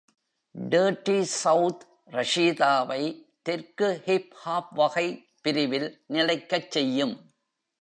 "Dirty South" ரஷீதாவை தெற்கு hip hop வகை பிரிவில் நிலைக்கச் செய்யும்.